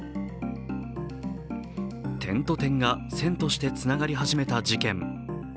点と点が線としてつながり始めた事件。